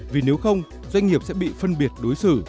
vì nếu không doanh nghiệp sẽ bị phân biệt đối xử